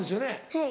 はい。